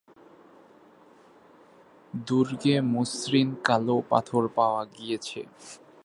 দুর্গে মসৃণ কালো পাথর পাওয়া গিয়েছে।